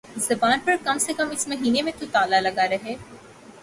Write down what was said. زبان پر کم سے کم اس مہینے میں تو تالا لگا رہے